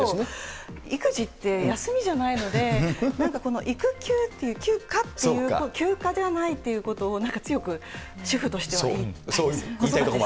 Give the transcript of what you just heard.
育児って、休みじゃないので、なんかこの育休って、休暇っていうと、休暇じゃないっていうことを、なんか強く主婦としては言いたいです。